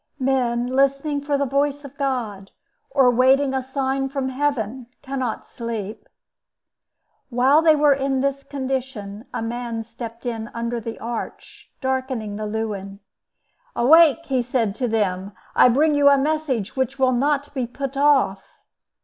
Men listening for the voice of God, or waiting a sign from Heaven, cannot sleep. While they were in this condition, a man stepped in under the arch, darkening the lewen. "Awake!" he said to them; "I bring you a message which will not be put off."